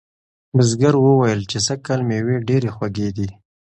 بزګر وویل چې سږکال مېوې ډیرې خوږې دي.